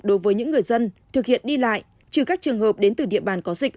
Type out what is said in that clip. đối với những người dân thực hiện đi lại trừ các trường hợp đến từ địa bàn có dịch